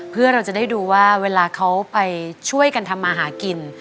เพื่อเราจะได้ดูว่าเวลาเขาไปช่วยกันทำมาหากิน